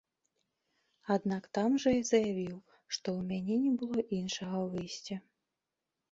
Аднак там жа і заявіў, што ў мяне не было іншага выйсця.